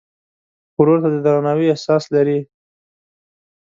ورور ته د درناوي احساس لرې.